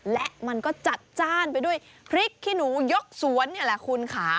และมันก็จัดจ้านไปด้วยพริกขี้หนูยกสวนนี่แหละคุณค่ะ